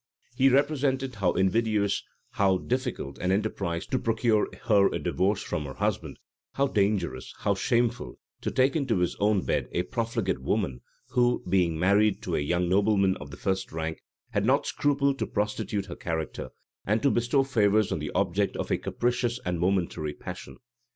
He represented how invidious, how difficult an enterprise to procure her a divorce from her husband: how dangerous, how shameful, to take into his own bed a profligate woman, who, being married to a young nobleman of the first rank, had not scrupled to prostitute her character, and to bestow favors on the object of a capricious and momentary passion.